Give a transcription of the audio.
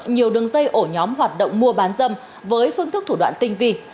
nhiều đường dây ổ nhóm hoạt động mua bán dâm với phương thức thủ đoạn tinh vi